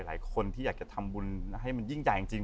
หลายคนที่อยากจะทำบุญให้มันยิ่งใหญ่จริง